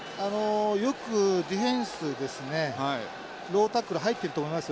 よくディフェンスですねロータックル入ってると思いますよね。